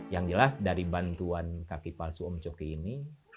yang jelas dari bantuan kaki palsu om coki ini